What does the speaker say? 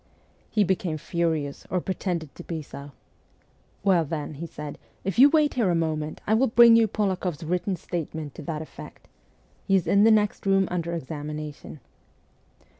He became furious, or pretended to be so. ' Well, then,' he said, ' if you wait here a moment, I will bring you Polakoff's written statement to that effect. He is in the next room under examination.'